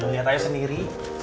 lihat aja sendiri